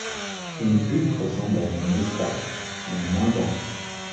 Une butte ressemble à une mesa, mais en moins grand.